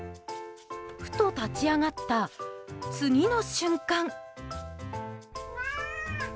ふと立ち上がった次の瞬間。